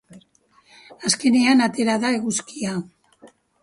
Azkenean atera da eguzkia!